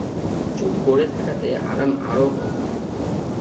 চুপ করে থাকাতে আরাম আরও কম।